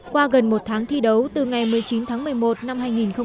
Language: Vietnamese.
qua gần một tháng thi đấu từ ngày một mươi chín tháng một mươi một năm hai nghìn một mươi tám